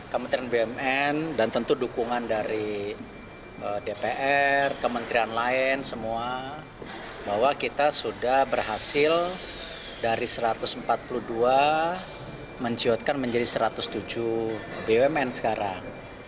kementerian bumn dan tentu dukungan dari dpr kementerian lain semua bahwa kita sudah berhasil dari satu ratus empat puluh dua menciutkan menjadi satu ratus tujuh bumn sekarang